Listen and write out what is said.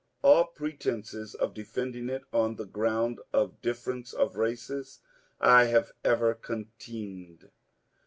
All pretences of defending it on the ground of difference of races I have ever contemned.